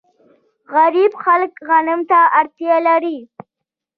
غریب خلک غنمو ته اړتیا لري.